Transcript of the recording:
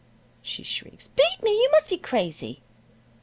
she shrieks, 'beat me! You must be crazy!'